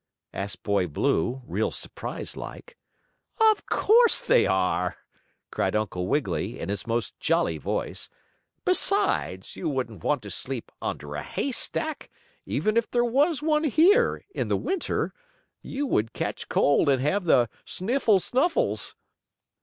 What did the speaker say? asked Boy Blue, real surprised like. "Of course, they are!" cried Uncle Wiggily, in his most jolly voice. "Besides, you wouldn't want to sleep under a hay stack, even if there was one here, in the winter. You would catch cold and have the sniffle snuffles."